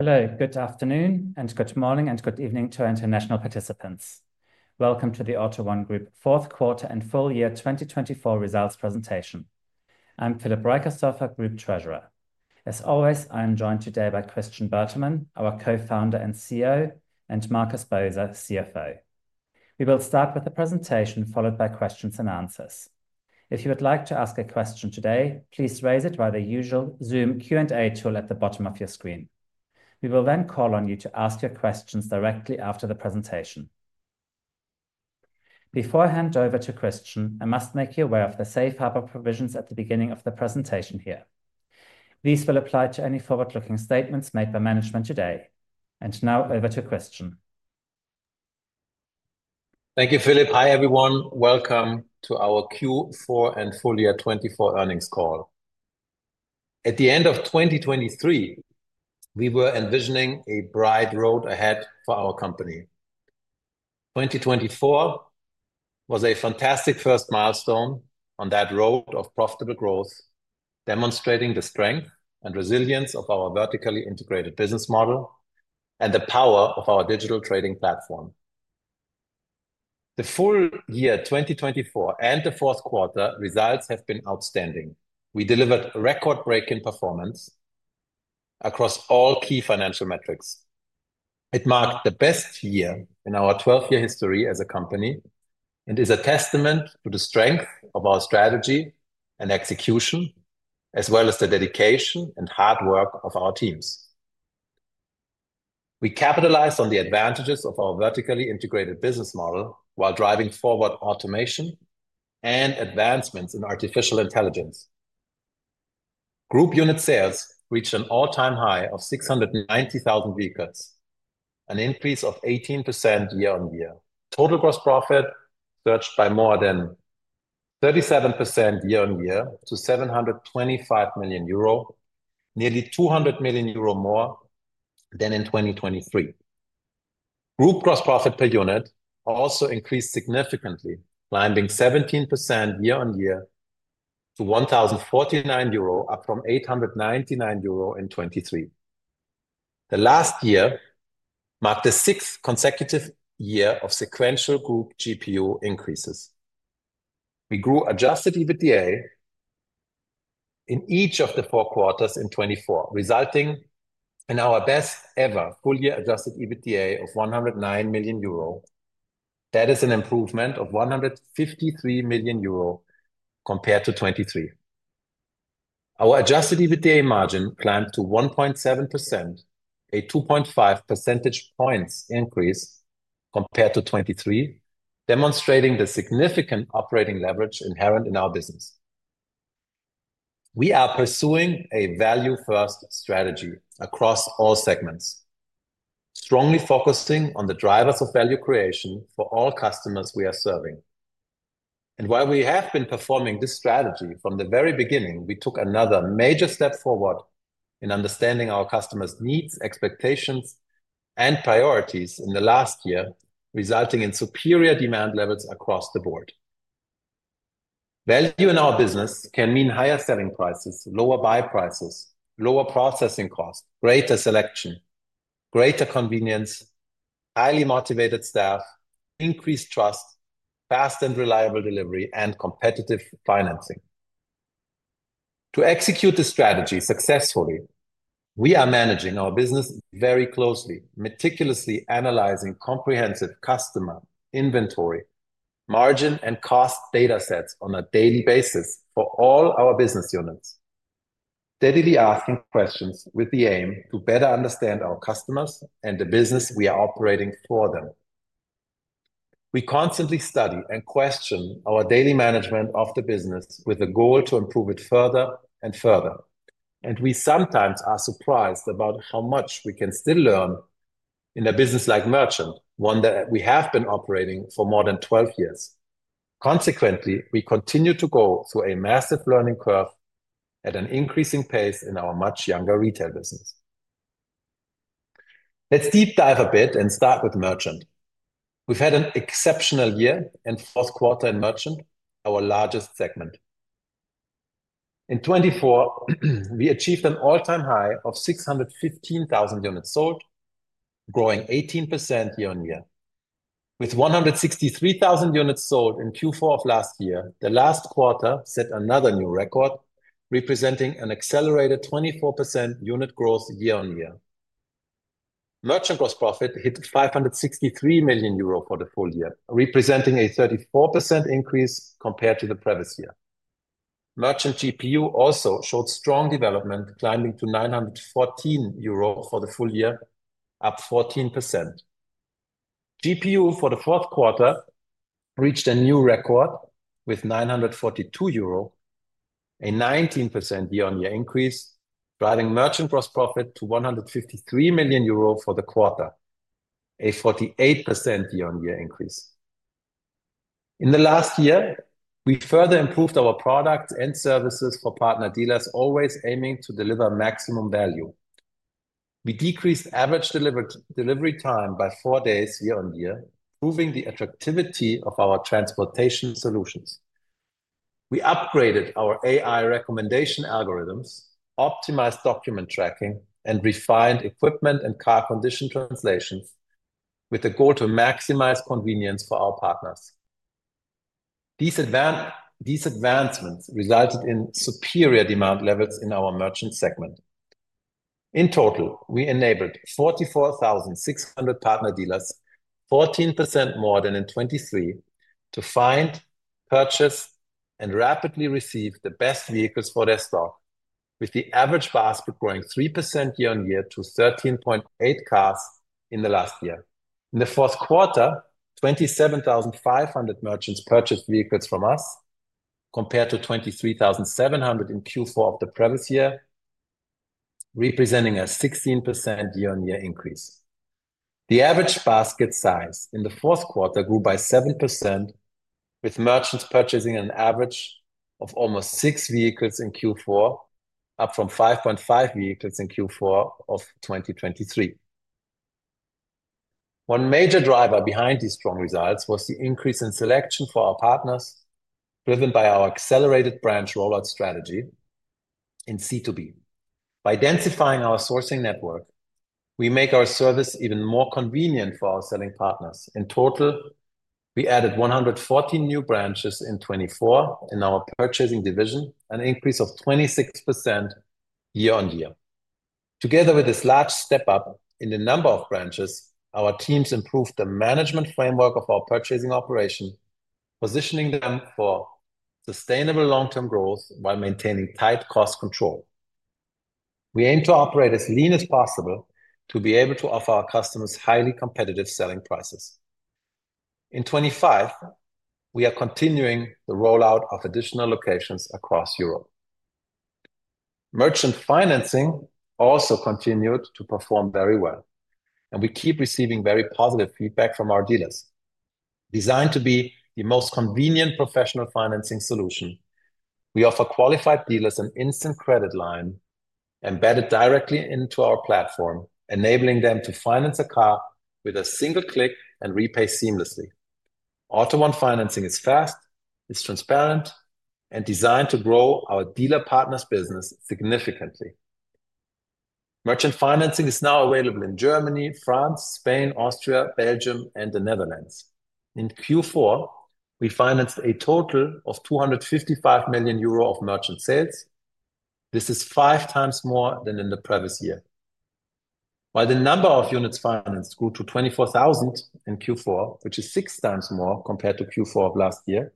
Hello, good afternoon, and good morning, and good evening to our international participants. Welcome to the AUTO1 Group Q4 and full year 2024 Results Presentation. I'm Philip Reicherstorfer, Group Treasurer. As always, I am joined today by Christian Bertermann, our Co-founder and CEO, and Markus Boser, CFO. We will start with a presentation followed by questions and answers. If you would like to ask a question today, please raise it via the usual Zoom Q&A tool at the bottom of your screen. We will then call on you to ask your questions directly after the presentation. Before I hand over to Christian, I must make you aware of the safe harbor provisions at the beginning of the presentation here. These will apply to any forward-looking statements made by management today. And now, over to Christian. Thank you, Philip. Hi, everyone. Welcome to our Q4 and full year 2024 earnings call. At the end of 2023, we were envisioning a bright road ahead for our company. 2024 was a fantastic first milestone on that road of profitable growth, demonstrating the strength and resilience of our vertically integrated business model and the power of our digital trading platform. The full year 2024 and the Q4 results have been outstanding. We delivered record-breaking performance across all key financial metrics. It marked the best year in our 12-year history as a company and is a testament to the strength of our strategy and execution, as well as the dedication and hard work of our teams. We capitalized on the advantages of our vertically integrated business model while driving forward automation and advancements in artificial intelligence. Group unit sales reached an all-time high of 690,000 vehicles, an increase of 18% year-on-year. Total gross profit surged by more than 37% year-on-year to 725 million euro, nearly 200 million euro more than in 2023. Group gross profit per unit also increased significantly, climbing 17% year-on-year to 1,049 euro, up from 899 euro in 2023. The last year marked the sixth consecutive year of sequential group GPU increases. We grew adjusted EBITDA in each of the four quarters in 2024, resulting in our best-ever full-year adjusted EBITDA of 109 million euro. That is an improvement of 153 million euro compared to 2023. Our adjusted EBITDA margin climbed to 1.7%, a 2.5 percentage points increase compared to 2023, demonstrating the significant operating leverage inherent in our business. We are pursuing a value-first strategy across all segments, strongly focusing on the drivers of value creation for all customers we are serving. While we have been performing this strategy from the very beginning, we took another major step forward in understanding our customers' needs, expectations, and priorities in the last year, resulting in superior demand levels across the board. Value in our business can mean higher selling prices, lower buy prices, lower processing costs, greater selection, greater convenience, highly motivated staff, increased trust, fast and reliable delivery, and competitive financing. To execute this strategy successfully, we are managing our business very closely, meticulously analyzing comprehensive customer inventory, margin, and cost data sets on a daily basis for all our business units, steadily asking questions with the aim to better understand our customers and the business we are operating for them. We constantly study and question our daily management of the business with a goal to improve it further and further. We sometimes are surprised about how much we can still learn in a business like Merchant, one that we have been operating for more than 12 years. Consequently, we continue to go through a massive learning curve at an increasing pace in our much younger retail business. Let's deep dive a bit and start with Merchant. We've had an exceptional year and Q4 in Merchant, our largest segment. In 2024, we achieved an all-time high of 615,000 units sold, growing 18% year-on-year. With 163,000 units sold in Q4 of last year, the last quarter set another new record, representing an accelerated 24% unit growth year-on-year. Merchant gross profit hit 563 million euro for the full year, representing a 34% increase compared to the previous year. Merchant GPU also showed strong development, climbing to 914 euro for the full year, up 14%. GPU for the Q4 reached a new record with 942 euro, a 19% year-on-year increase, driving Merchant gross profit to 153 million euro for the quarter, a 48% year-on-year increase. In the last year, we further improved our products and services for partner dealers, always aiming to deliver maximum value. We decreased average delivery time by four days year-on-year, proving the attractiveness of our transportation solutions. We upgraded our AI recommendation algorithms, optimized document tracking, and refined equipment and car condition translations with the goal to maximize convenience for our partners. These advancements resulted in superior demand levels in our Merchant segment. In total, we enabled 44,600 partner dealers, 14% more than in 2023, to find, purchase, and rapidly receive the best vehicles for their stock, with the average basket growing 3% year-on-year to 13.8 cars in the last year. In the Q4, 27,500 merchants purchased vehicles from us, compared to 23,700 in Q4 of the previous year, representing a 16% year-on-year increase. The average basket size in the Q4 grew by 7%, with merchants purchasing an average of almost six vehicles in Q4, up from 5.5 vehicles in Q4 of 2023. One major driver behind these strong results was the increase in selection for our partners, driven by our accelerated branch rollout strategy in C2B. By densifying our sourcing network, we make our service even more convenient for our selling partners. In total, we added 114 new branches in 2024 in our purchasing division, an increase of 26% year-on-year. Together with this large step up in the number of branches, our teams improved the management framework of our purchasing operation, positioning them for sustainable long-term growth while maintaining tight cost control. We aim to operate as lean as possible to be able to offer our customers highly competitive selling prices. In 2025, we are continuing the rollout of additional locations across Europe. Merchant financing also continued to perform very well, and we keep receiving very positive feedback from our dealers. Designed to be the most convenient professional financing solution, we offer qualified dealers an instant credit line embedded directly into our platform, enabling them to finance a car with a single click and repay seamlessly. AUTO1 Financing is fast, is transparent, and designed to grow our dealer partners' business significantly. Merchant financing is now available in Germany, France, Spain, Austria, Belgium, and the Netherlands. In Q4, we financed a total of 255 million euro of merchant sales. This is 5x more than in the previous year. While the number of units financed grew to 24,000 in Q4, which is six times more compared to Q4 of last year,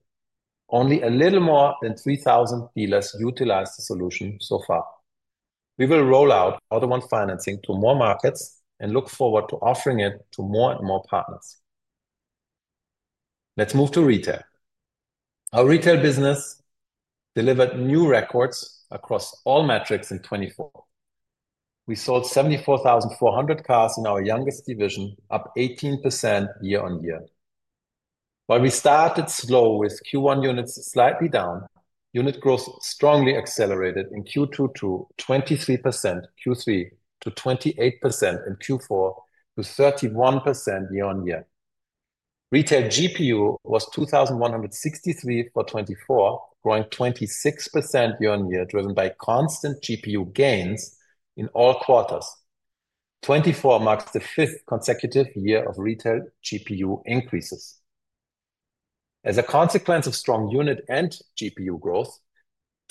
only a little more than 3,000 dealers utilized the solution so far. We will roll out AUTO1 Financing to more markets and look forward to offering it to more and more partners. Let's move to retail. Our retail business delivered new records across all metrics in 2024. We sold 74,400 cars in our youngest division, up 18% year-on-year. While we started slow with Q1 units slightly down, unit growth strongly accelerated in Q2 to 23% Q3, to 28% in Q4, to 31% year-on-year. Retail GPU was 2,163 for 2024, growing 26% year-on-year, driven by constant GPU gains in all quarters. 2024 marks the fifth consecutive year of retail GPU increases. As a consequence of strong unit and GPU growth,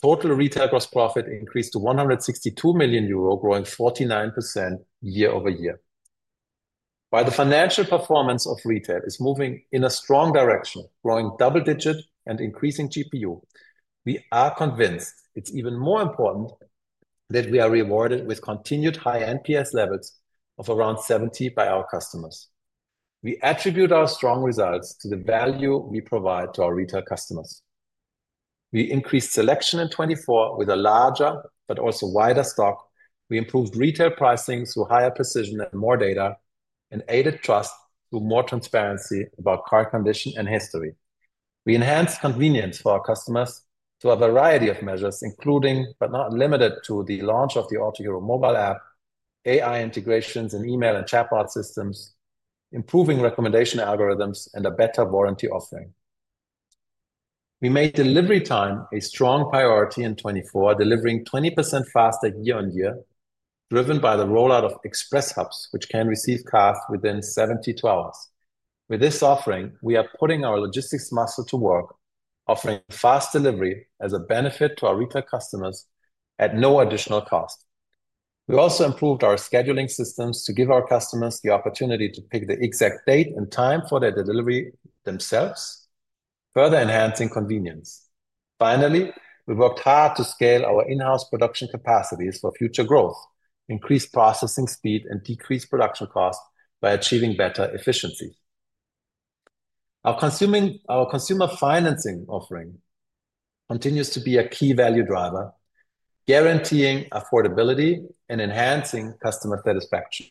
total retail gross profit increased to 162 million euro, growing 49% year-over-year. While the financial performance of retail is moving in a strong direction, growing double-digit and increasing GPU, we are convinced it's even more important that we are rewarded with continued high NPS levels of around 70 by our customers. We attribute our strong results to the value we provide to our retail customers. We increased selection in 2024 with a larger but also wider stock. We improved retail pricing through higher precision and more data, and aided trust through more transparency about car condition and history. We enhanced convenience for our customers through a variety of measures, including but not limited to the launch of the Autohero mobile app, AI integrations in email and chatbot systems, improving recommendation algorithms, and a better warranty offering. We made delivery time a strong priority in 2024, delivering 20% faster year-on-year, driven by the rollout of express hubs, which can receive cars within 72 hours. With this offering, we are putting our logistics muscle to work, offering fast delivery as a benefit to our retail customers at no additional cost. We also improved our scheduling systems to give our customers the opportunity to pick the exact date and time for their delivery themselves, further enhancing convenience. Finally, we worked hard to scale our in-house production capacities for future growth, increase processing speed, and decrease production costs by achieving better efficiencies. Our consumer financing offering continues to be a key value driver, guaranteeing affordability and enhancing customer satisfaction.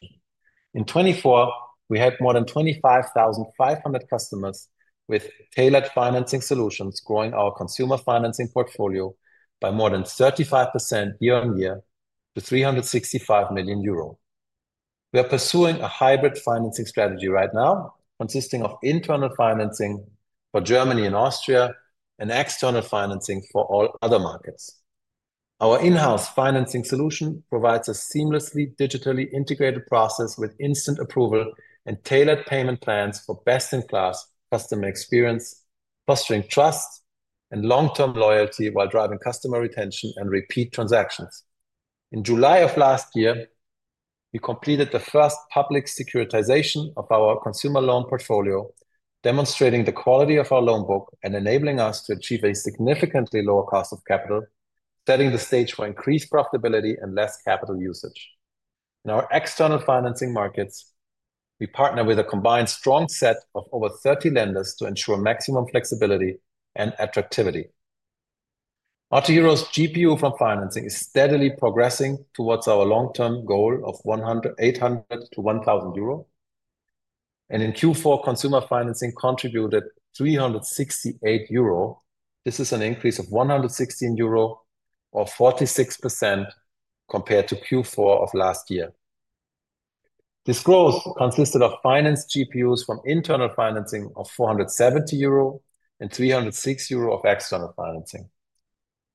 In 2024, we had more than 25,500 customers with tailored financing solutions, growing our consumer financing portfolio by more than 35% year-on-year to 365 million euro. We are pursuing a hybrid financing strategy right now, consisting of internal financing for Germany and Austria, and external financing for all other markets. Our in-house financing solution provides a seamlessly digitally integrated process with instant approval and tailored payment plans for best-in-class customer experience, fostering trust and long-term loyalty while driving customer retention and repeat transactions. In July of last year, we completed the first public securitization of our consumer loan portfolio, demonstrating the quality of our loan book and enabling us to achieve a significantly lower cost of capital, setting the stage for increased profitability and less capital usage. In our external financing markets, we partner with a combined strong set of over 30 lenders to ensure maximum flexibility and attractivity. Autohero GPU from financing is steadily progressing towards our long-term goal of 800-1,000 euro. And in Q4, consumer financing contributed 368 euro. This is an increase of 116 euro, or 46% compared to Q4 of last year. This growth consisted of financed GPUs from internal financing of 470 euro and 306 euro of external financing.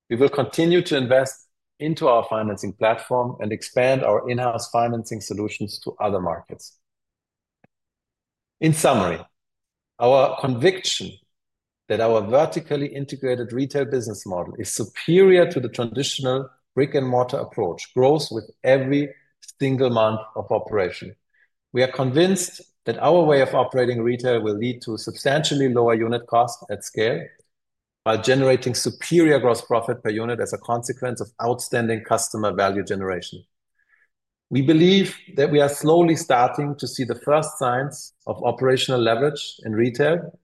We will continue to invest into our financing platform and expand our in-house financing solutions to other markets. In summary, our conviction that our vertically integrated retail business model is superior to the traditional brick-and-mortar approach grows with every single month of operation. We are convinced that our way of operating retail will lead to a substantially lower unit cost at scale while generating superior gross profit per unit as a consequence of outstanding customer value generation. We believe that we are slowly starting to see the first signs of operational leverage in retail,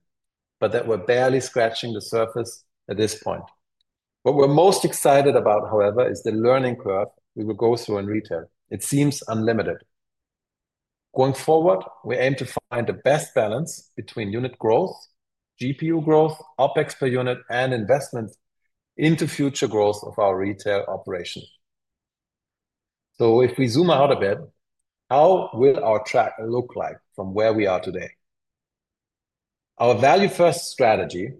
but that we're barely scratching the surface at this point. What we're most excited about, however, is the learning curve we will go through in retail. It seems unlimited. Going forward, we aim to find the best balance between unit growth, GPU growth, OPEX per unit, and investment into future growth of our retail operation. So if we zoom out a bit, how will our track look like from where we are today? Our value-first strategy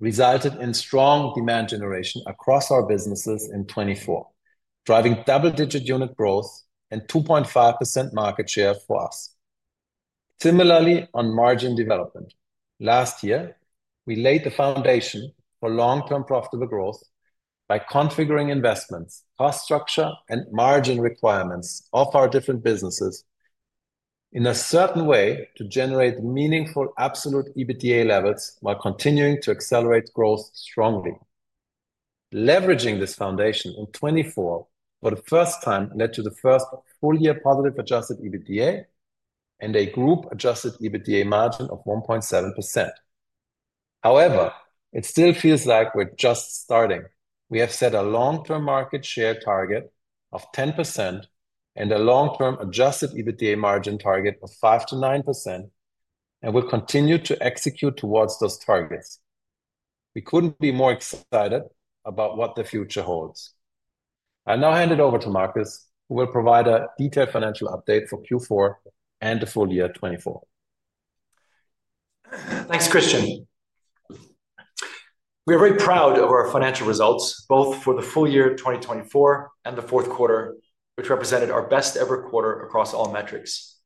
resulted in strong demand generation across our businesses in 2024, driving double-digit unit growth and 2.5% market share for us. Similarly, on margin development, last year, we laid the foundation for long-term profitable growth by configuring investments, cost structure, and margin requirements of our different businesses in a certain way to generate meaningful absolute EBITDA levels while continuing to accelerate growth strongly. Leveraging this foundation in 2024 for the first time led to the first full-year positive adjusted EBITDA and a group adjusted EBITDA margin of 1.7%. However, it still feels like we're just starting. We have set a long-term market share target of 10% and a long-term adjusted EBITDA margin target of 5%-9%, and we'll continue to execute towards those targets. We couldn't be more excited about what the future holds. I'll now hand it over to Markus, who will provide a detailed financial update for Q4 and the full year 2024. Thanks, Christian. We are very proud of our financial results, both for the full year 2024 and the Q4, which represented our best-ever quarter across all metrics.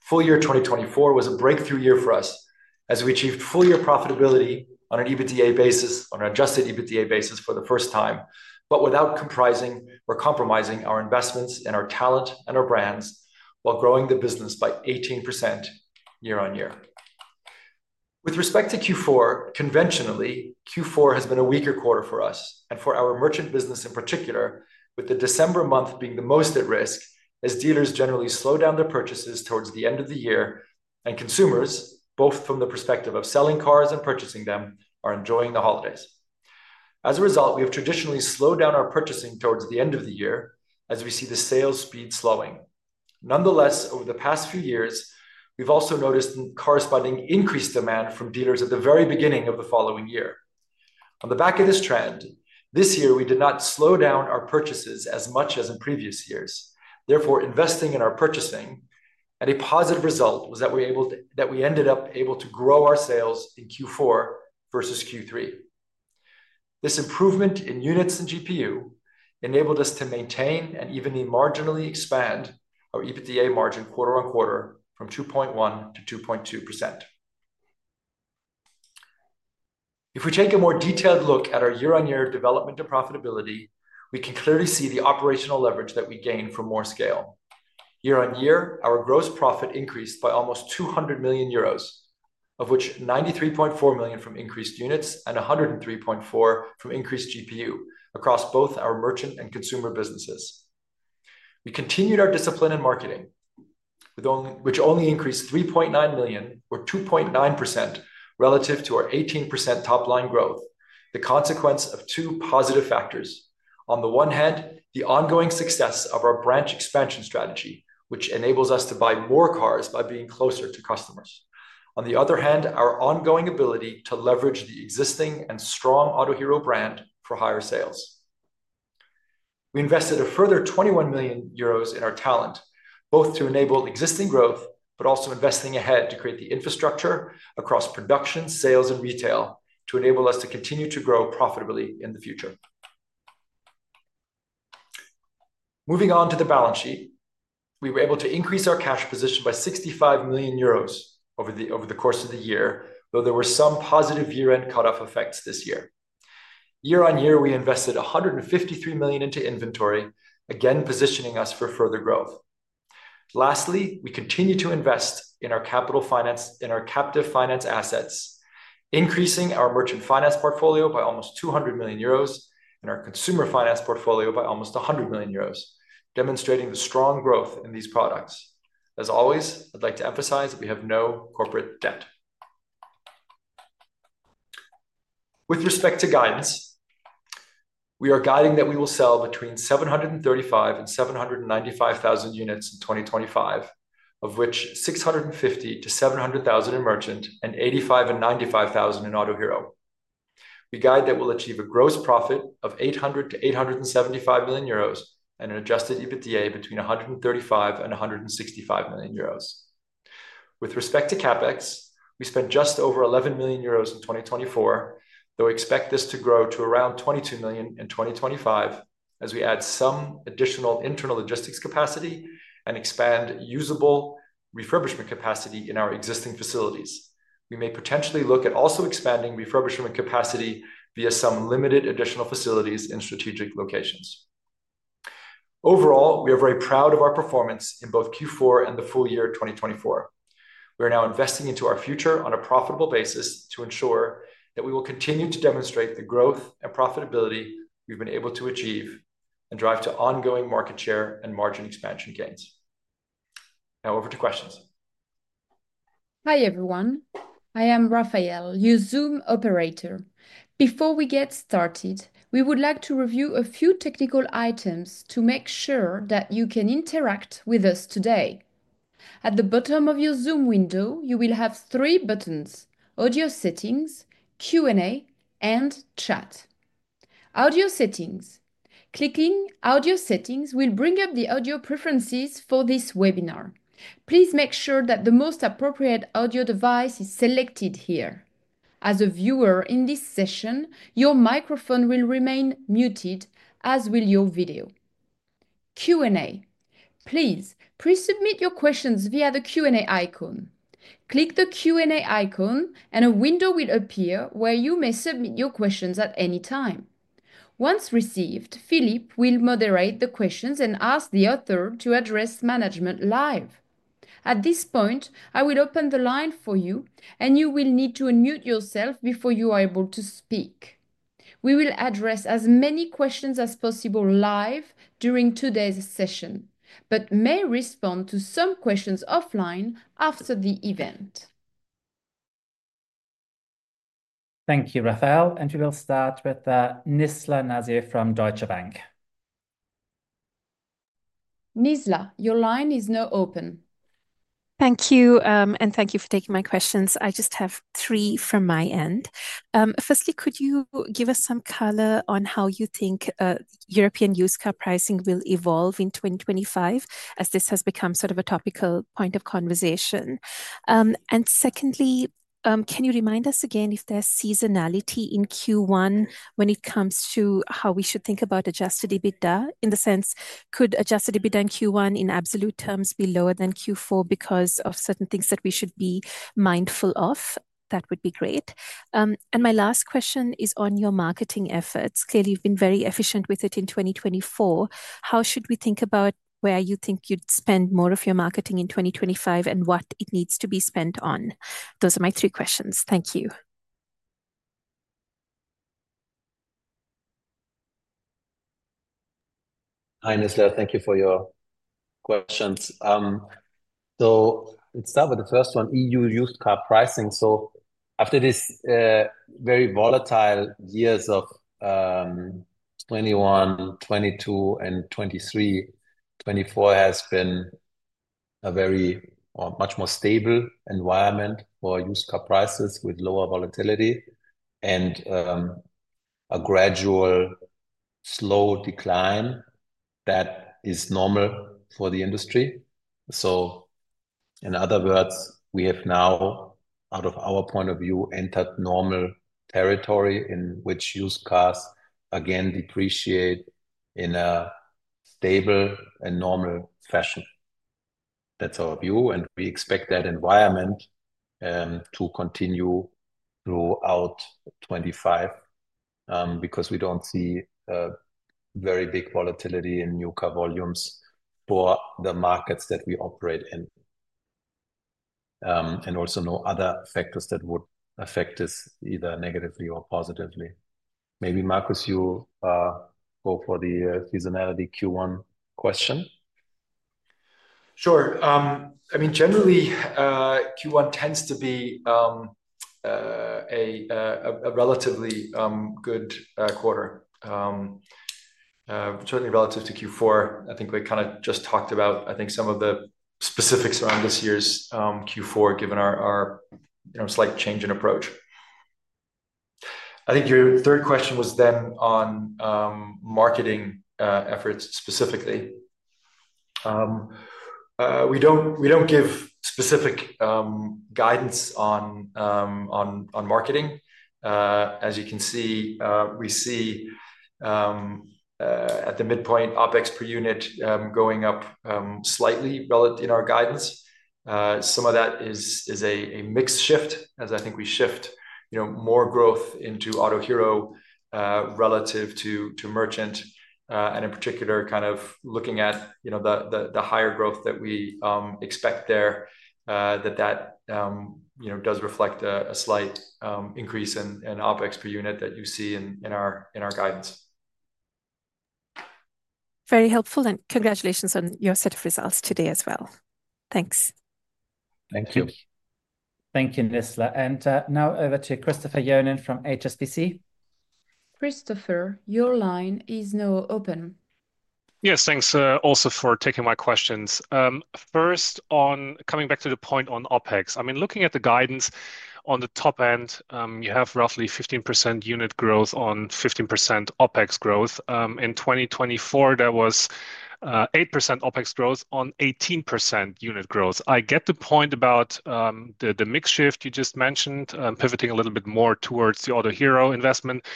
Full year 2024 was a breakthrough year for us as we achieved full-year profitability on an EBITDA basis, on an adjusted EBITDA basis for the first time, but without compromising our investments and our talent and our brands while growing the business by 18% year-on-year. With respect to Q4, conventionally, Q4 has been a weaker quarter for us and for our merchant business in particular, with the December month being the most at risk as dealers generally slow down their purchases towards the end of the year, and consumers, both from the perspective of selling cars and purchasing them, are enjoying the holidays. As a result, we have traditionally slowed down our purchasing towards the end of the year as we see the sales speed slowing. Nonetheless, over the past few years, we've also noticed corresponding increased demand from dealers at the very beginning of the following year. On the back of this trend, this year, we did not slow down our purchases as much as in previous years. Therefore, investing in our purchasing, a positive result was that we ended up able to grow our sales in Q4 versus Q3. This improvement in units and GPU enabled us to maintain and even marginally expand our EBITDA margin quarter on quarter from 2.1% to 2.2%. If we take a more detailed look at our year-on-year development of profitability, we can clearly see the operational leverage that we gain from more scale. Year-on-year, our gross profit increased by almost 200 million euros, of which 93.4 million from increased units and 103.4 million from increased GPU across both our merchant and consumer businesses. We continued our discipline in marketing, which only increased 3.9 million, or 2.9%, relative to our 18% top-line growth, the consequence of two positive factors. On the one hand, the ongoing success of our branch expansion strategy, which enables us to buy more cars by being closer to customers. On the other hand, our ongoing ability to leverage the existing and strong Autohero brand for higher sales. We invested a further 21 million euros in our talent, both to enable existing growth but also investing ahead to create the infrastructure across production, sales, and retail to enable us to continue to grow profitably in the future. Moving on to the balance sheet, we were able to increase our cash position by 65 million euros over the course of the year, though there were some positive year-end cutoff effects this year. Year-on-year, we invested 153 million into inventory, again positioning us for further growth. Lastly, we continue to invest in our captive finance, in our captive finance assets, increasing our merchant finance portfolio by almost 200 million euros and our consumer finance portfolio by almost 100 million euros, demonstrating the strong growth in these products. As always, I'd like to emphasize that we have no corporate debt. With respect to guidance, we are guiding that we will sell between 735,000 and 795,000 units in 2025, of which 650,000-700,000 in Merchant and 85,000-95,000 in Autohero. We guide that we'll achieve a gross profit of 800-875 million euros and an adjusted EBITDA between 135 and 165 million euros. With respect to CAPEX, we spent just over 11 million euros in 2024, though we expect this to grow to around 22 million in 2025 as we add some additional internal logistics capacity and expand usable refurbishment capacity in our existing facilities. We may potentially look at also expanding refurbishment capacity via some limited additional facilities in strategic locations. Overall, we are very proud of our performance in both Q4 and the full year 2024. We are now investing into our future on a profitable basis to ensure that we will continue to demonstrate the growth and profitability we've been able to achieve and drive to ongoing market share and margin expansion gains. Now, over to questions. Hi everyone. I am Raphael, your Zoom operator. Before we get started, we would like to review a few technical items to make sure that you can interact with us today. At the bottom of your Zoom window, you will have three buttons: Audio Settings, Q&A, and Chat. Audio Settings. Clicking Audio Settings will bring up the audio preferences for this webinar. Please make sure that the most appropriate audio device is selected here. As a viewer in this session, your microphone will remain muted, as will your video. Q&A. Please pre-submit your questions via the Q&A icon. Click the Q&A icon and a window will appear where you may submit your questions at any time. Once received, Philip will moderate the questions and ask the author to address management live. At this point, I will open the line for you and you will need to unmute yourself before you are able to speak. We will address as many questions as possible live during today's session, but may respond to some questions offline after the event. Thank you, Raphael. And we will start with Nisla Nazir from Deutsche Bank. Nisla, your line is now open. Thank you, and thank you for taking my questions. I just have three from my end. Firstly, could you give us some color on how you think European used car pricing will evolve in 2025, as this has become sort of a topical point of conversation? And secondly, can you remind us again if there's seasonality in Q1 when it comes to how we should think about Adjusted EBITDA? In the sense, could Adjusted EBITDA in Q1 in absolute terms be lower than Q4 because of certain things that we should be mindful of? That would be great. And my last question is on your marketing efforts. Clearly, you've been very efficient with it in 2024. How should we think about where you think you'd spend more of your marketing in 2025 and what it needs to be spent on? Those are my three questions. Thank you. Hi, Nisla. Thank you for your questions. So let's start with the first one, EU used car pricing. After these very volatile years of 2021, 2022, and 2023, 2024 has been a very much more stable environment for used car prices with lower volatility and a gradual slow decline that is normal for the industry. So in other words, we have now, out of our point of view, entered normal territory in which used cars again depreciate in a stable and normal fashion. That's our view, and we expect that environment to continue throughout 2025 because we don't see very big volatility in new car volumes for the markets that we operate in and also no other factors that would affect this either negatively or positively. Maybe Markus, you go for the seasonality Q1 question. Sure. I mean, generally, Q1 tends to be a relatively good quarter, certainly relative to Q4. I think we kind of just talked about, I think, some of the specifics around this year's Q4, given our slight change in approach. I think your third question was then on marketing efforts specifically. We don't give specific guidance on marketing. As you can see, we see at the midpoint, OPEX per unit going up slightly in our guidance. Some of that is a mixed shift, as I think we shift more growth into Autohero relative to merchant, and in particular, kind of looking at the higher growth that we expect there, that that does reflect a slight increase in OPEX per unit that you see in our guidance. Very helpful, and congratulations on your set of results today as well. Thanks. Thank you. Thank you, Nisla. Now over to Christopher Johnen from HSBC. Christopher, your line is now open. Yes, thanks also for taking my questions. First, coming back to the point on OPEX, I mean, looking at the guidance on the top end, you have roughly 15% unit growth on 15% OPEX growth. In 2024, there was 8% OPEX growth on 18% unit growth. I get the point about the mixed shift you just mentioned, pivoting a little bit more towards the Autohero investment.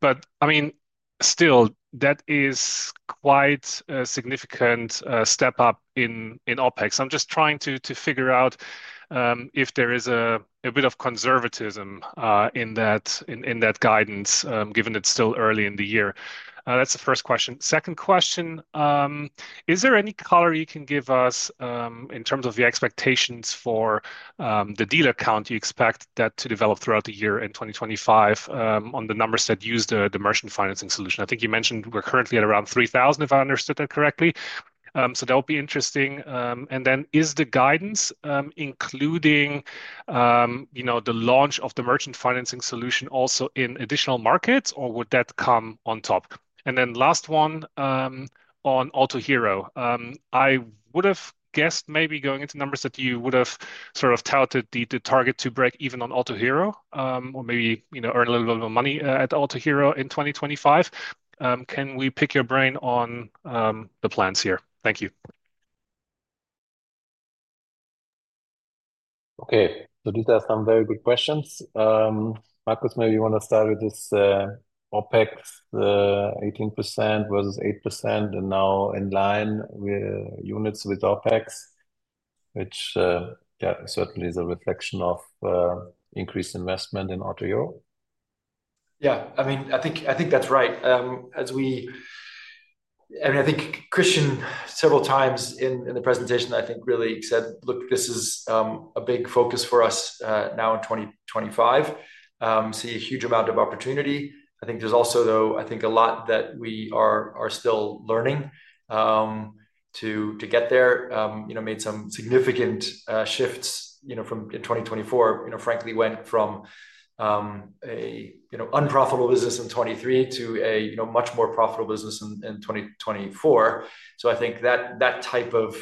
But I mean, still, that is quite a significant step up in OPEX. I'm just trying to figure out if there is a bit of conservatism in that guidance, given it's still early in the year. That's the first question. Second question, is there any color you can give us in terms of the expectations for the dealer count you expect that to develop throughout the year in 2025 on the numbers that use the merchant financing solution? I think you mentioned we're currently at around 3,000, if I understood that correctly. So that would be interesting. And then is the guidance including the launch of the merchant financing solution also in additional markets, or would that come on top? And then last one on Autohero, I would have guessed maybe going into numbers that you would have sort of touted the target to break even on Autohero, or maybe earn a little bit more money at Autohero in 2025. Can we pick your brain on the plans here? Thank you. Okay, so these are some very good questions. Markus, maybe you want to start with this OPEX 18% versus 8% and now in line with units with OPEX, which certainly is a reflection of increased investment in Autohero. Yeah, I mean, I think that's right. I mean, I think Christian several times in the presentation, I think, really said, "Look, this is a big focus for us now in 2025." See a huge amount of opportunity. I think there's also, though, I think a lot that we are still learning to get there. Made some significant shifts from 2024. Frankly, went from an unprofitable business in 2023 to a much more profitable business in 2024. So I think that type of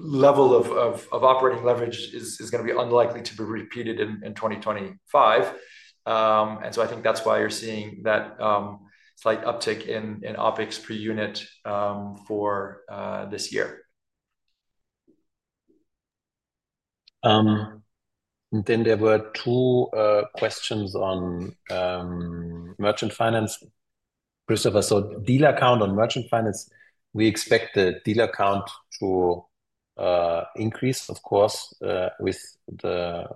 level of operating leverage is going to be unlikely to be repeated in 2025. And so I think that's why you're seeing that slight uptick in OPEX per unit for this year. Then there were two questions on merchant finance. Christopher, so dealer count on merchant finance, we expect the dealer count to increase, of course, with the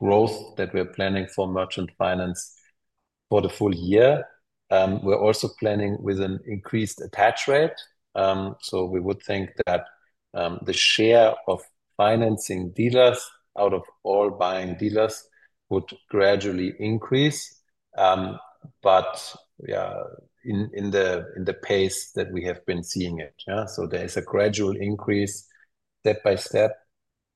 growth that we're planning for merchant finance for the full year. We're also planning with an increased attach rate. So we would think that the share of financing dealers out of all buying dealers would gradually increase, but in the pace that we have been seeing it. So there is a gradual increase step by step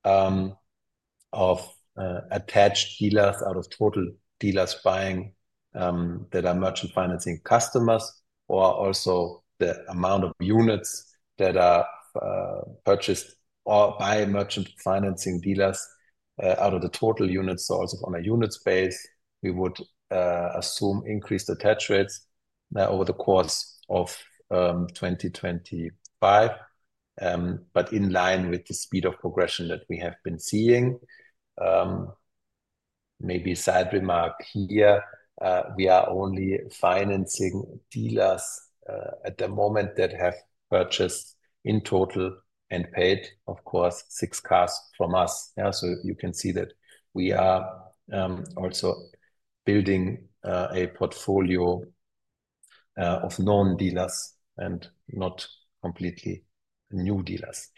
of attached dealers out of total dealers buying that are merchant financing customers or also the amount of units that are purchased by merchant financing dealers out of the total units. So also on a unit basis, we would assume increased attach rates over the course of 2025, but in line with the speed of progression that we have been seeing. Maybe side remark here, we are only financing dealers at the moment that have purchased in total and paid, of course, six cars from us. So you can see that we are also building a portfolio of known dealers and not completely new dealers.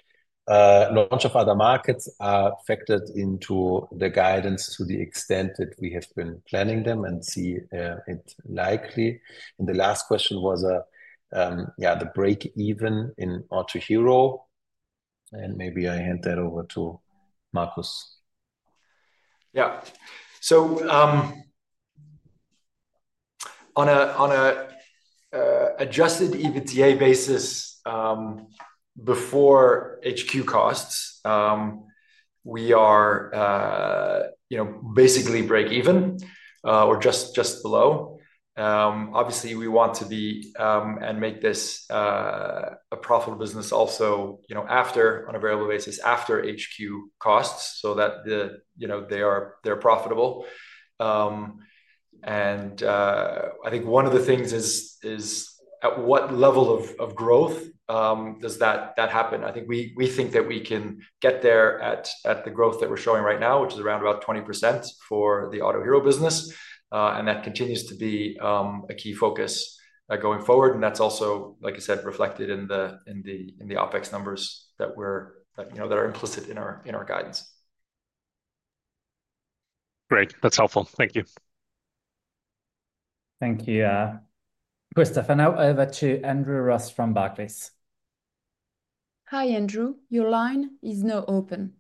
Launch of other markets are factored into the guidance to the extent that we have been planning them and see it likely. And the last question was the break-even in Autohero. And maybe I hand that over to Markus. Yeah. So on an Adjusted EBITDA basis before HQ costs, we are basically break-even or just below. Obviously, we want to be and make this a profitable business also on a variable basis after HQ costs so that they are profitable. And I think one of the things is at what level of growth does that happen? I think we think that we can get there at the growth that we're showing right now, which is around about 20% for the Autohero business. And that continues to be a key focus going forward. And that's also, like I said, reflected in the OPEX numbers that are implicit in our guidance. Great. That's helpful. Thank you. Thank you, Christopher. Now over to Andrew Ross from Barclays. Hi, Andrew. Your line is now open.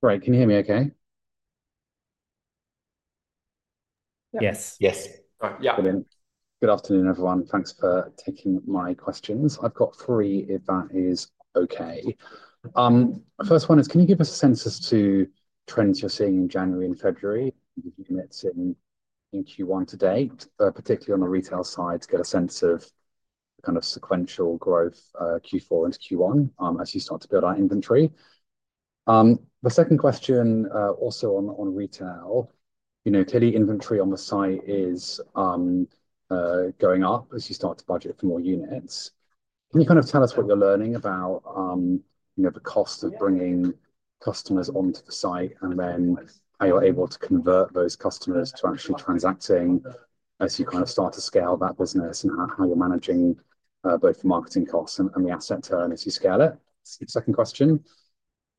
Right. Can you hear me okay? Yes. Yes. Good afternoon, everyone. Thanks for taking my questions. I've got three if that is okay. First one is, can you give us a sense as to trends you're seeing in January and February in Q1 to date, particularly on the retail side, to get a sense of kind of sequential growth Q4 into Q1 as you start to build out inventory? The second question also on retail, clearly inventory on the site is going up as you start to budget for more units. Can you kind of tell us what you're learning about the cost of bringing customers onto the site and then how you're able to convert those customers to actually transacting as you kind of start to scale that business and how you're managing both marketing costs and the asset turn as you scale it? Second question,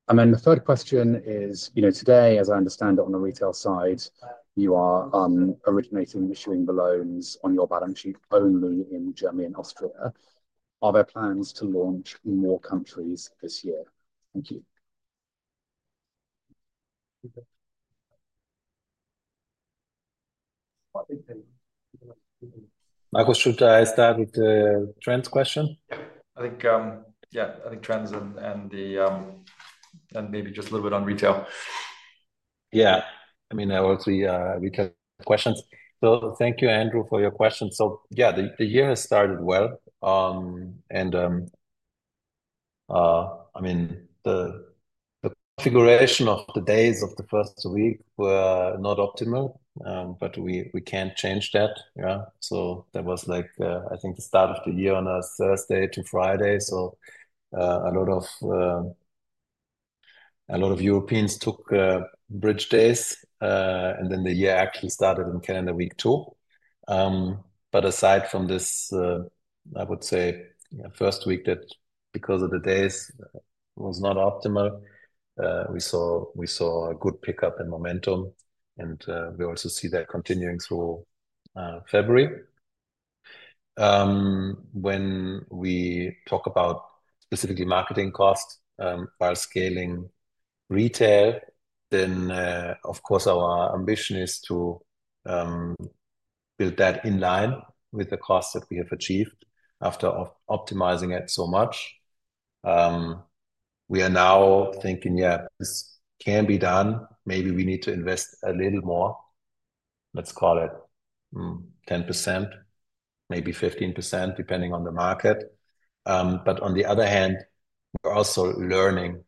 and then the third question is, today, as I understand it on the retail side, you are originating and issuing the loans on your balance sheet only in Germany and Austria. Are there plans to launch in more countries this year? Thank you. Markus, should I start with the trends question? Yeah. I think trends and maybe just a little bit on retail. Yeah. I mean, I always retail questions. So thank you, Andrew, for your question. So yeah, the year has started well. I mean, the configuration of the days of the first week were not optimal, but we can't change that. So there was, I think, the start of the year on a Thursday to Friday. So a lot of Europeans took bridge days, and then the year actually started in calendar week two. But aside from this, I would say first week that because of the days was not optimal, we saw a good pickup in momentum. And we also see that continuing through February. When we talk about specifically marketing costs while scaling retail, then of course, our ambition is to build that in line with the costs that we have achieved after optimizing it so much. We are now thinking, yeah, this can be done. Maybe we need to invest a little more. Let's call it 10%, maybe 15%, depending on the market. But on the other hand, we're also learning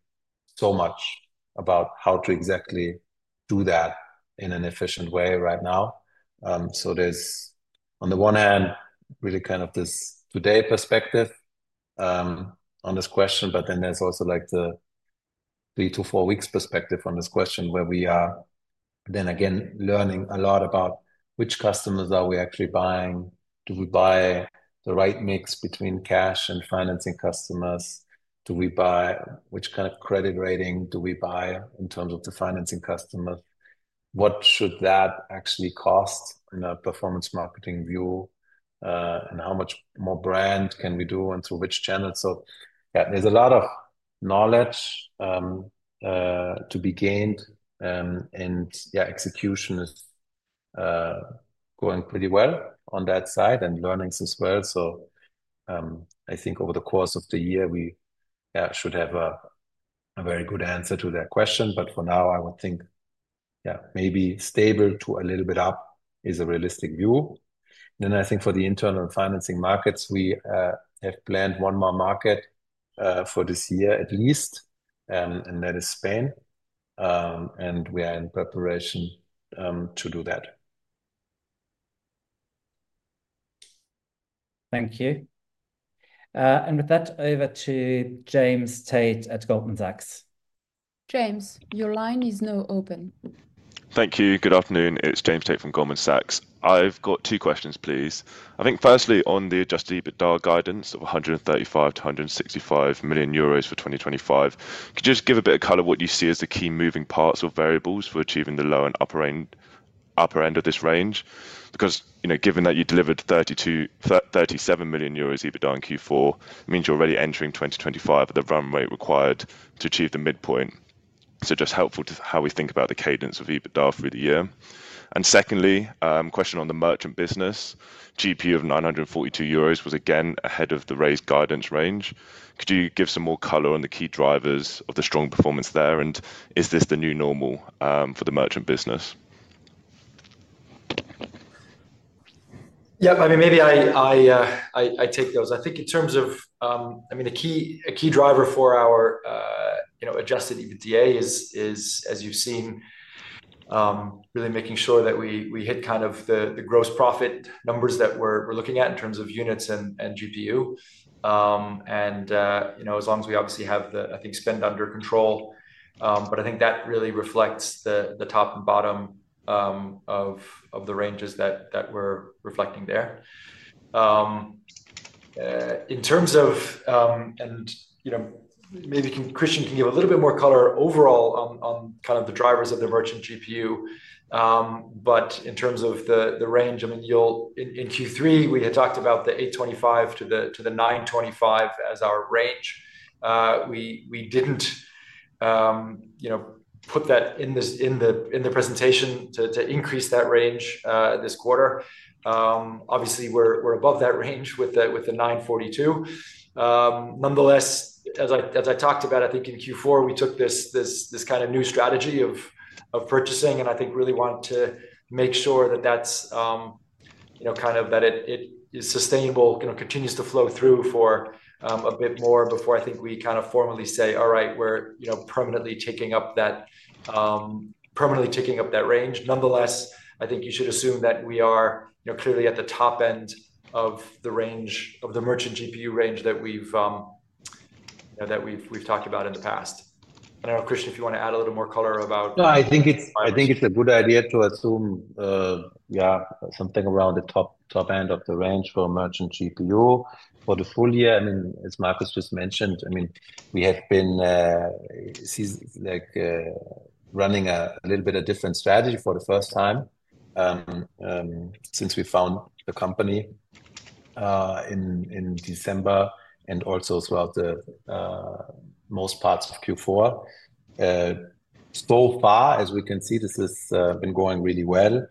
so much about how to exactly do that in an efficient way right now. So there's, on the one hand, really kind of this today perspective on this question, but then there's also the three to four weeks perspective on this question where we are then again learning a lot about which customers are we actually buying? Do we buy the right mix between cash and financing customers? Do we buy which kind of credit rating do we buy in terms of the financing customers? What should that actually cost in a performance marketing view? And how much more brand can we do and through which channels? So yeah, there's a lot of knowledge to be gained. And yeah, execution is going pretty well on that side and learnings as well. So I think over the course of the year, we should have a very good answer to that question. But for now, I would think, yeah, maybe stable to a little bit up is a realistic view. And then I think for the internal financing markets, we have planned one more market for this year at least, and that is Spain. And we are in preparation to do that. Thank you. And with that, over to James Tate at Goldman Sachs. James, your line is now open. Thank you. Good afternoon. It's James Tate from Goldman Sachs. I've got two questions, please. I think firstly, on the Adjusted EBITDA guidance of 135 million-165 million euros for 2025, could you just give a bit of color what you see as the key moving parts or variables for achieving the low and upper end of this range? Because given that you delivered 37 million euros EBITDA in Q4, it means you're already entering 2025 at the run rate required to achieve the midpoint. So, just helpful to how we think about the cadence of EBITDA through the year. And secondly, question on the merchant business. GPU of 942 euros was again ahead of the raised guidance range. Could you give some more color on the key drivers of the strong performance there? And is this the new normal for the merchant business? Yeah, I mean, maybe I take those. I think in terms of, I mean, a key driver for our adjusted EBITDA is, as you've seen, really making sure that we hit kind of the gross profit numbers that we're looking at in terms of units and GPU. And as long as we obviously have the, I think, spend under control. But I think that really reflects the top and bottom of the ranges that we're reflecting there. In terms of, and maybe Christian can give a little bit more color overall on kind of the drivers of the merchant GPU. But in terms of the range, I mean, in Q3, we had talked about the 825-925 as our range. We didn't put that in the presentation to increase that range this quarter. Obviously, we're above that range with the 942. Nonetheless, as I talked about, I think in Q4, we took this kind of new strategy of purchasing and I think really want to make sure that that's kind of that it is sustainable, continues to flow through for a bit more before I think we kind of formally say, "All right, we're permanently taking up that range." Nonetheless, I think you should assume that we are clearly at the top end of the range of the merchant GPU range that we've talked about in the past. I don't know, Christian, if you want to add a little more color about. No, I think it's a good idea to assume, yeah, something around the top end of the range for merchant GPU.For the full year, I mean, as Markus just mentioned, I mean, we have been running a little bit different strategy for the first time since we founded the company in December and also throughout most parts of Q4. So far, as we can see, this has been going really well.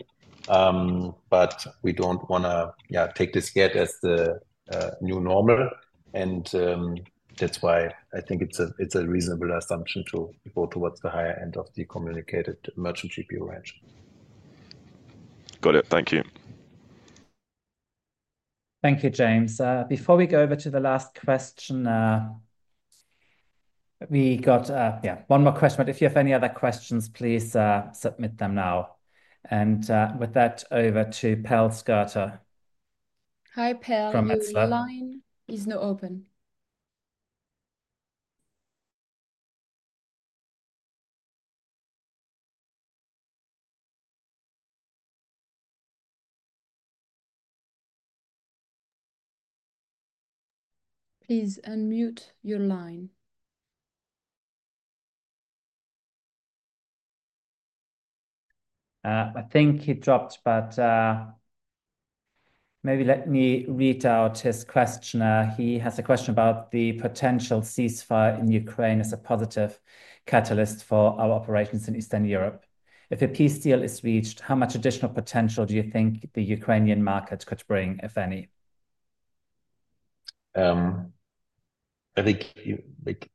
But we don't want to take this yet as the new normal. And that's why I think it's a reasonable assumption to go towards the higher end of the communicated merchant GPU range. Got it. Thank you. Thank you, James. Before we go over to the last question, we got one more question, but if you have any other questions, please submit them now. And with that, over to Pal Skirta. Hi, Perl. Your line is now open. Please unmute your line. I think he dropped, but maybe let me read out his question. He has a question about the potential ceasefire in Ukraine as a positive catalyst for our operations in Eastern Europe. If a peace deal is reached, how much additional potential do you think the Ukrainian market could bring, if any? I think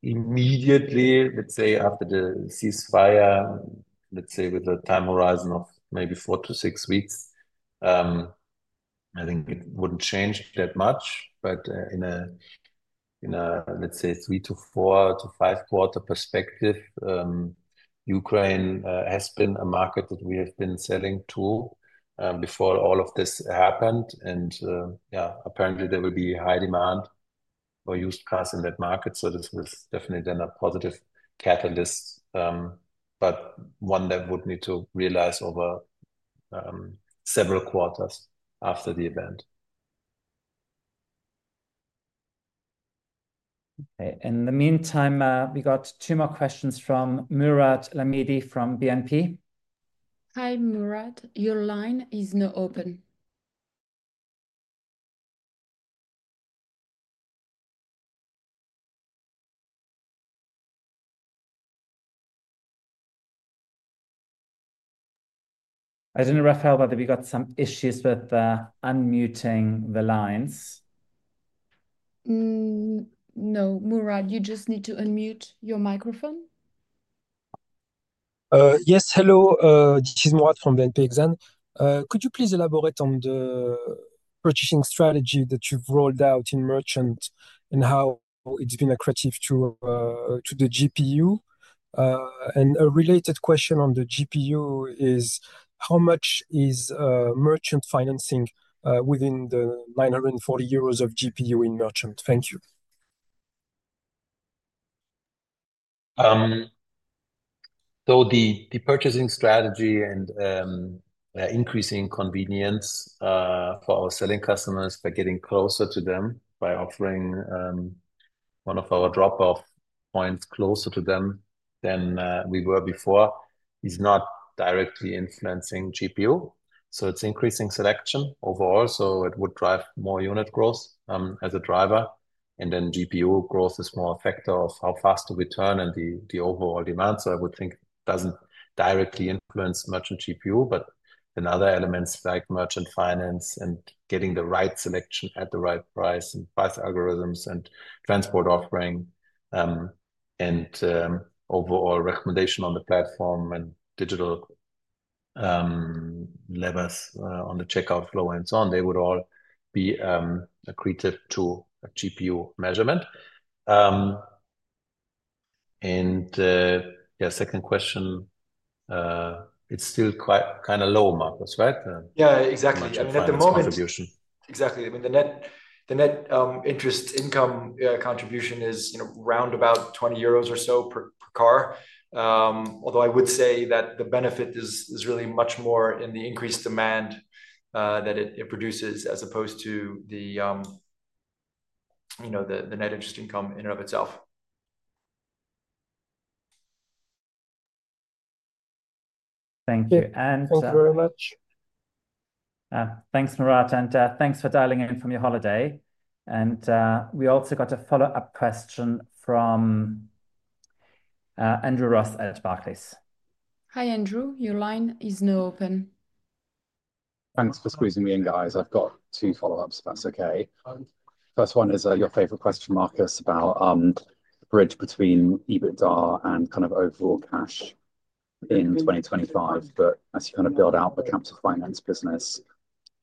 immediately, let's say after the ceasefire, let's say with a time horizon of maybe four to six weeks, I think it wouldn't change that much. But in a, let's say, three to four to five quarter perspective, Ukraine has been a market that we have been selling to before all of this happened. And yeah, apparently, there will be high demand for used cars in that market. So this was definitely then a positive catalyst, but one that would need to realize over several quarters after the event. Okay. In the meantime, we got two more questions from Mourad Lahmidi from BNP. Hi, Mourad. Your line is now open. I didn't refer that we got some issues with unmuting the lines. No, Mourad, you just need to unmute your microphone. Yes, hello. This is Mourad from BNP Exane. Could you please elaborate on the purchasing strategy that you've rolled out in merchant and how it's been accretive to the GPU? And a related question on the GPU is, how much is merchant financing within the 940 euros of GPU in Merchant? Thank you. So the purchasing strategy and increasing convenience for our selling customers by getting closer to them by offering one of our drop-off points closer to them than we were before is not directly influencing GPU. So it's increasing selection overall. So it would drive more unit growth as a driver. And then GPU growth is more a factor of how fast do we turn and the overall demand. So I would think it doesn't directly influence Merchant GPU, but then other elements like merchant finance and getting the right selection at the right price and price algorithms and transport offering and overall recommendation on the platform and digital levers on the checkout flow and so on, they would all be accretive to GPU measurement. And yeah, second question, it's still quite kind of low, Markus, right? Yeah, exactly. I mean, at the moment, exactly. I mean, the net interest income contribution is round about 20 euros or so per car. Although I would say that the benefit is really much more in the increased demand that it produces as opposed to the net interest income in and of itself. Thank you. And thanks very much. Thanks, Mourad. And thanks for dialing in from your holiday. And we also got a follow-up question from Andrew Ross at Barclays. Hi, Andrew. Your line is now open. Thanks for squeezing me in, guys. I've got two follow-ups, if that's okay. First one is your favorite question, Markus, about the bridge between EBITDA and kind of overall cash in 2025. But as you kind of build out the capital finance business,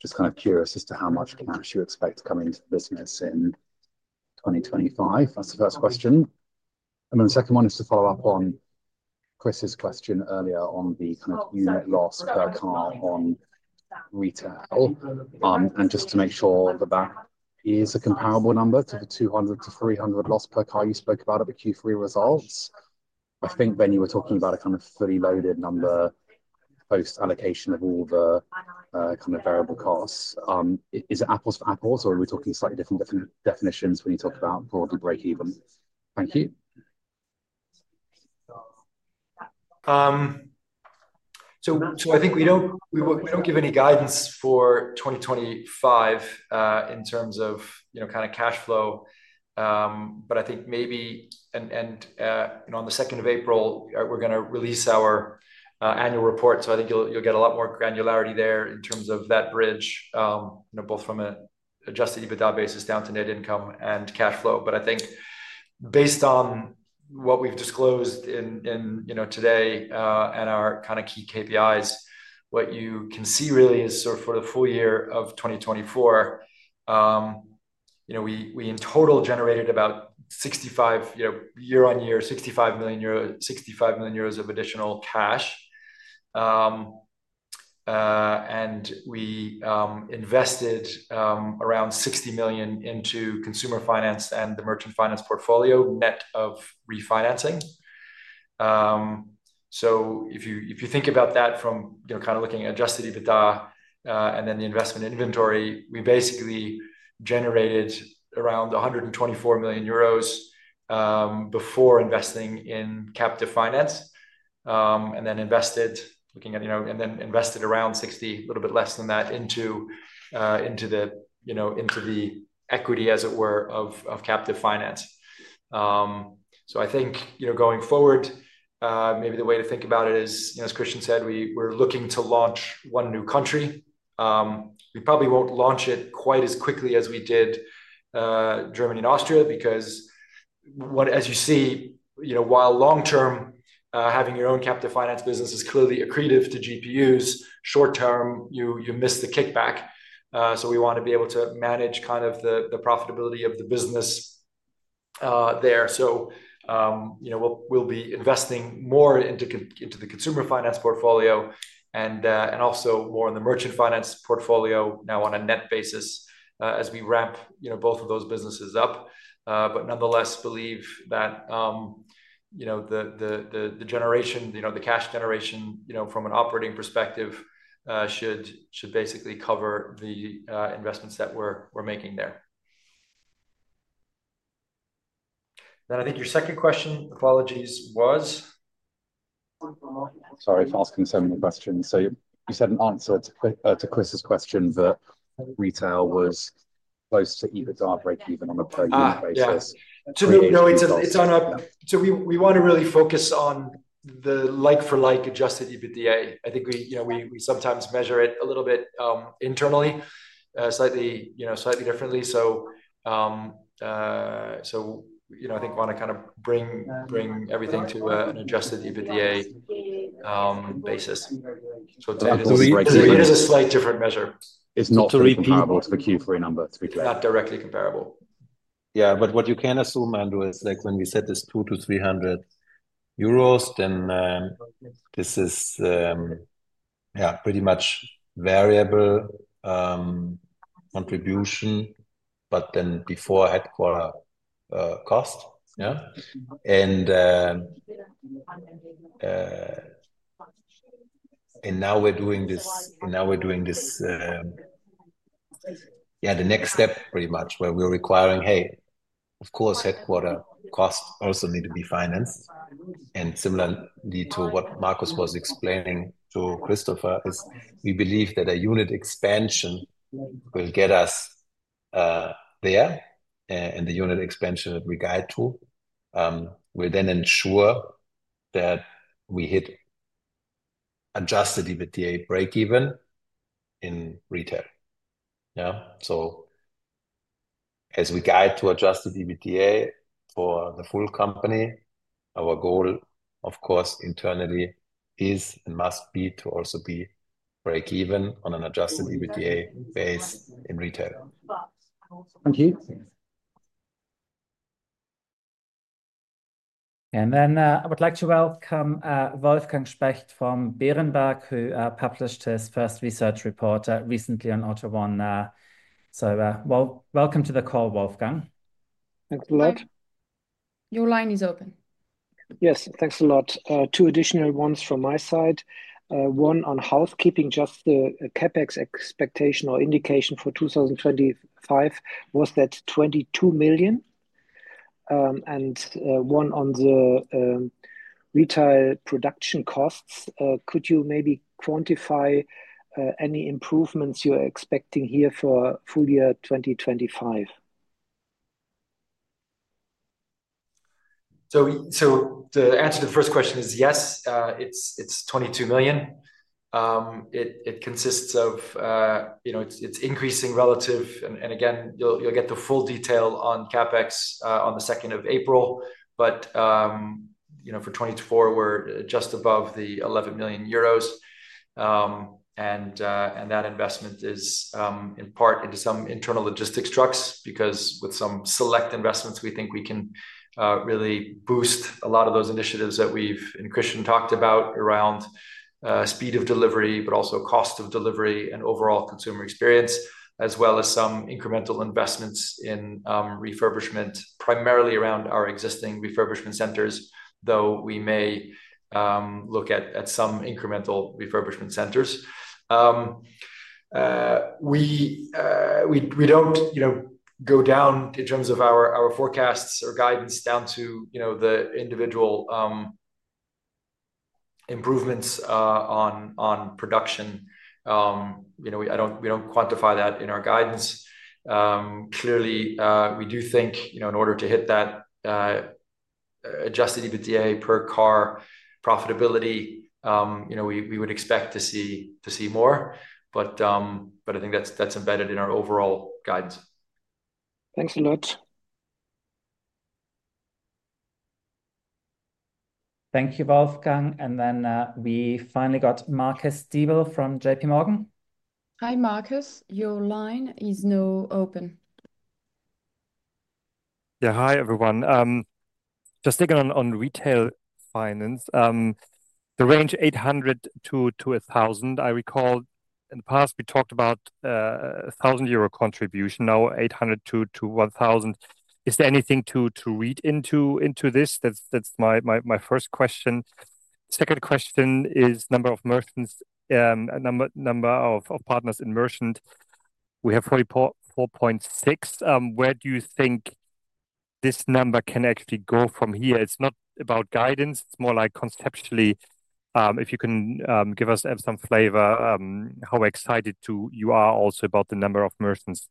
just kind of curious as to how much cash you expect to come into the business in 2025. That's the first question. And then the second one is to follow up on Chris's question earlier on the kind of unit loss per car on retail. And just to make sure that that is a comparable number to the 200-300 loss per car you spoke about at the Q3 results. I think then you were talking about a kind of fully loaded number post-allocation of all the kind of variable costs. Is it apples to apples, or are we talking slightly different definitions when you talk about broadly break-even? Thank you. So I think we don't give any guidance for 2025 in terms of kind of cash flow. But I think maybe, and on the 2nd of April, we're going to release our annual report. So I think you'll get a lot more granularity there in terms of that bridge, both from an adjusted EBITDA basis down to net income and cash flow. But I think based on what we've disclosed today and our kind of key KPIs, what you can see really is for the full year of 2024, we in total generated about year-on-year 65 million euros of additional cash. And we invested around 60 million into consumer finance and the merchant finance portfolio net of refinancing. So if you think about that from kind of looking at Adjusted EBITDA and then the investment inventory, we basically generated around 124 million euros before investing in captive finance and then invested around 60 million, a little bit less than that, into the equity, as it were, of captive finance. So I think going forward, maybe the way to think about it is, as Christian said, we're looking to launch one new country. We probably won't launch it quite as quickly as we did Germany and Austria because, as you see, while long-term, having your own captive finance business is clearly accretive to GPUs, short-term, you miss the kickback. So we want to be able to manage kind of the profitability of the business there. We'll be investing more into the consumer finance portfolio and also more in the merchant finance portfolio now on a net basis as we ramp both of those businesses up. But nonetheless, we believe that the generation, the cash generation from an operating perspective should basically cover the investments that we're making there. Then I think your second question, apologies, was? Sorry, first concerning question. You said an answer to Chris's question that retail was close to EBITDA break-even on a per-unit basis. Yeah. We want to really focus on the like-for-like adjusted EBITDA. I think we sometimes measure it a little bit internally, slightly differently. We want to kind of bring everything to an adjusted EBITDA basis. It is a slight different measure. It's not comparable to the Q3 number, to be clear. Not directly comparable. Yeah, but what you can assume, Andrew, is when we said this 200-300 euros, then this is pretty much variable contribution, but then before headquarter cost. Yeah. And now we're doing this, yeah, the next step pretty much where we're requiring, hey, of course, headquarter costs also need to be financed. And similarly to what Markus was explaining to Christopher, is we believe that a unit expansion will get us there. And the unit expansion that we guide to will then ensure that we hit adjusted EBITDA break-even in retail. Yeah. So as we guide to adjusted EBITDA for the full company, our goal, of course, internally is and must be to also be break-even on an adjusted EBITDA base in retail. Thank you. And then I would like to welcome Wolfgang Specht from Berenberg, who published his first research report recently on AUTO1. So welcome to the call, Wolfgang. Thanks a lot. Your line is open. Yes, thanks a lot. Two additional ones from my side. One on housekeeping, just the CapEx expectation or indication for 2025 was that 22 million? And one on the retail production costs. Could you maybe quantify any improvements you're expecting here for full year 2025? So the answer to the first question is yes, it's 22 million. It consists of it's increasing relative. And again, you'll get the full detail on CapEx on the 2nd of April. But for 2024, we're just above 11 million euros. And that investment is in part into some internal logistics trucks because with some select investments, we think we can really boost a lot of those initiatives that we've and Christian talked about around speed of delivery, but also cost of delivery and overall consumer experience, as well as some incremental investments in refurbishment, primarily around our existing refurbishment centers, though we may look at some incremental refurbishment centers. We don't go down in terms of our forecasts or guidance down to the individual improvements on production. We don't quantify that in our guidance. Clearly, we do think in order to hit that Adjusted EBITDA per car profitability, we would expect to see more. But I think that's embedded in our overall guidance. Thanks a lot. Thank you, Wolfgang. And then we finally got Marcus Diebel from JPMorgan. Hi, Marcus. Your line is now open. Yeah, hi, everyone. Just thinking on retail finance, the range 800-1,000, I recall in the past we talked about 1,000 euro contribution, now 800-1,000. Is there anything to read into this? That's my first question. Second question is number of merchants, number of partners in merchant. We have 4.6. Where do you think this number can actually go from here? It's not about guidance. It's more like conceptually, if you can give us some flavor, how excited you are also about the number of merchants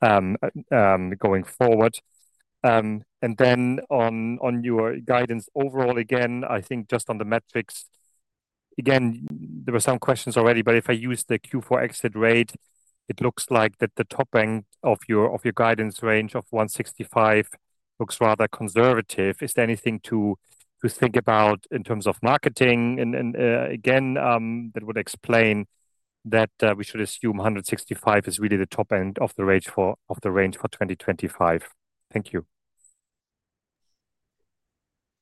going forward. And then on your guidance overall, again, I think just on the metrics, again, there were some questions already, but if I use the Q4 exit rate, it looks like that the top end of your guidance range of 165 looks rather conservative. Is there anything to think about in terms of marketing? And again, that would explain that we should assume 165 is really the top end of the range for 2025. Thank you.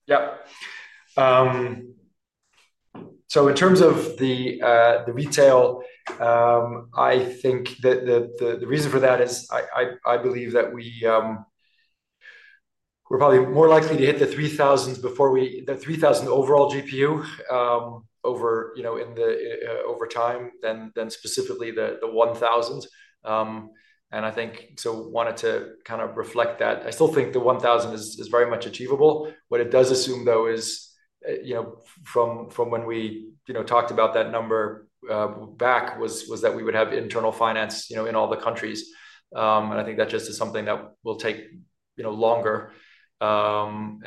Yeah. So in terms of the retail, I think that the reason for that is I believe that we're probably more likely to hit the 3,000 overall GPU over time than specifically the 1,000. And I think, so wanted to kind of reflect that. I still think the 1,000 is very much achievable. What it does assume, though, is, from when we talked about that number back, that we would have internal finance in all the countries. And I think that just is something that will take longer than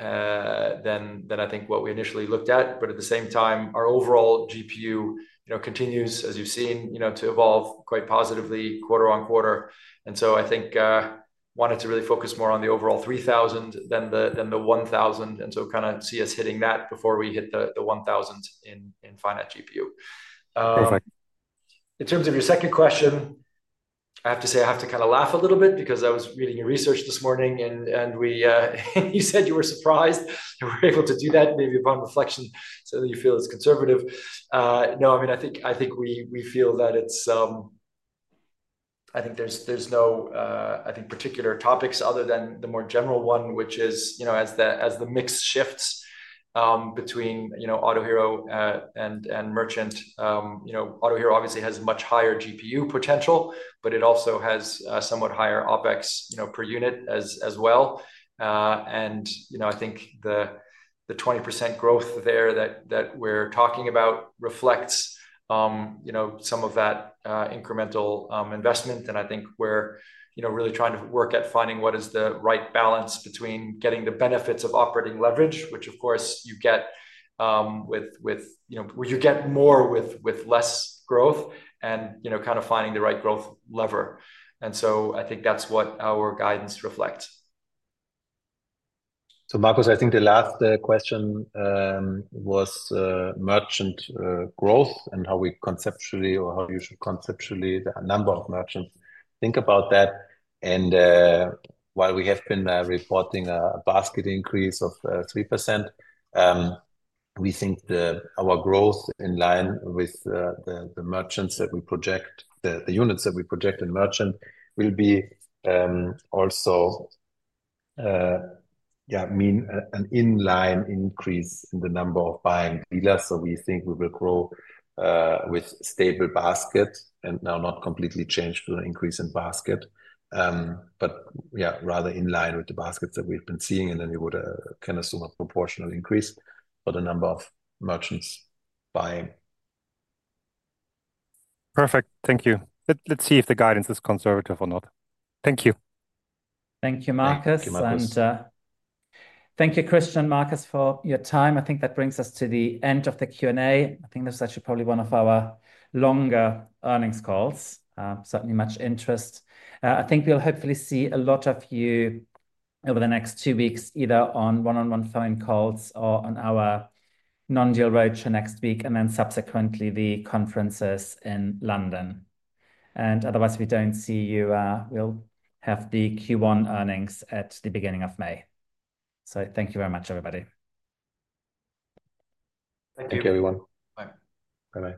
I think what we initially looked at. But at the same time, our overall GPU continues, as you've seen, to evolve quite positively quarter on quarter. And so I think wanted to really focus more on the overall 3,000 than the 1,000. And so kind of see us hitting that before we hit the 1,000 infinite GPU. Perfect. In terms of your second question, I have to say I have to kind of laugh a little bit because I was reading your research this morning, and you said you were surprised you were able to do that maybe upon reflection. So you feel it's conservative. No, I mean, I think we feel that it's. I think there's no particular topics other than the more general one, which is as the mix shifts between Autohero and Merchant. Autohero obviously has much higher GPU potential, but it also has somewhat higher OPEX per unit as well. And I think the 20% growth there that we're talking about reflects some of that incremental investment. I think we're really trying to work at finding what is the right balance between getting the benefits of operating leverage, which, of course, you get more with less growth, and kind of finding the right growth lever. And so I think that's what our guidance reflects. So Marcus, I think the last question was merchant growth and how we conceptually or how you should conceptually the number of merchants. Think about that. And while we have been reporting a basket increase of 3%, we think our growth in line with the merchants that we project, the units that we project in merchant will be also, yeah, mean an in-line increase in the number of buying dealers. So we think we will grow with stable baskets and now not completely change to an increase in basket, but yeah, rather in line with the baskets that we've been seeing. And then you would can assume a proportional increase for the number of merchants buying. Perfect. Thank you. Let's see if the guidance is conservative or not. Thank you. Thank you, Marcus. And thank you, Christian and Markus, for your time. I think that brings us to the end of the Q&A. I think this is actually probably one of our longer earnings calls. Certainly much interest. I think we'll hopefully see a lot of you over the next two weeks, either on one-on-one phone calls or on our non-deal roadshow next week, and then subsequently the conferences in London. And otherwise, if we don't see you, we'll have the Q1 earnings at the beginning of May. So thank you very much, everybody. Thank you, everyone. Bye. Bye-bye.